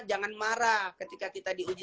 jangan marah ketika kita diuji